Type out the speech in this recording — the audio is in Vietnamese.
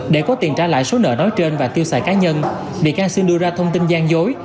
để có tiền trả lại số nợ nói trên và tiêu xài cá nhân bị can xin đưa ra thông tin gian dối